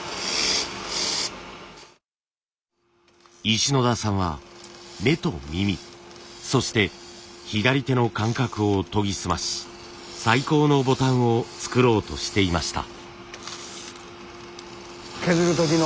石野田さんは目と耳そして左手の感覚を研ぎ澄まし最高のボタンを作ろうとしていました。